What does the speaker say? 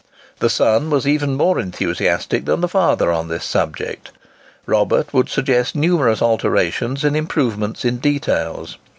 The son was even more enthusiastic than the father on this subject. Robert would suggest numerous alterations and improvements in details.